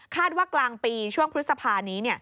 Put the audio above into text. ว่ากลางปีช่วงพฤษภานี้